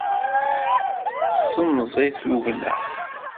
Semẓi tugna.